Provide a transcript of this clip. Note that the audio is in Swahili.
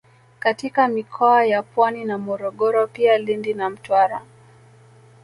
katika mikoa ya Pwani na Morogoro pia Lindi na Mtwara